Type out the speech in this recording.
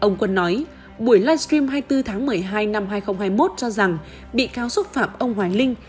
ông quân nói buổi livestream hai mươi bốn tháng một mươi hai năm hai nghìn hai mươi một cho rằng bị cáo xúc phạm ông hoàng linh